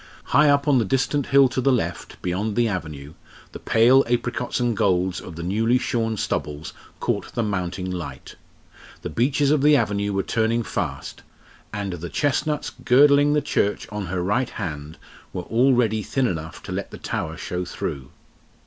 High up on the distant hill to the left, beyond the avenue, the pale apricots and golds of the newly shorn stubbles caught the mounting light. The beeches of the avenue were turning fast, and the chestnuts girdling the church on her right hand were already thin enough to let the tower show through.